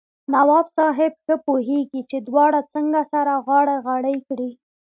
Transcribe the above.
نواب صاحب ښه پوهېږي چې دواړه څنګه سره غاړه غړۍ کړي.